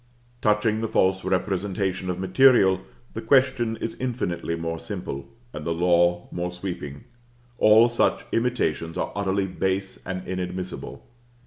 Touching the false representation of material, the question is infinitely more simple, and the law more sweeping; all such imitations are utterly base and inadmissible.